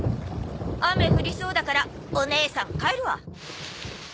雨降りそうだからお姉さん帰るわ。